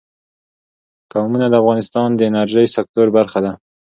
قومونه د افغانستان د انرژۍ سکتور برخه ده.